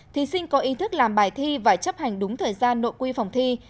thí sinh có ý thức làm bài thi và chấp hành đúng thời gian nội quy phòng thi